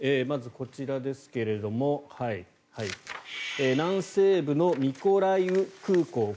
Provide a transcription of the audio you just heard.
まずこちらですが南西部のミコライウ空港